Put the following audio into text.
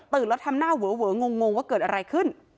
แล้วทำหน้าเวองงว่าเกิดอะไรขึ้น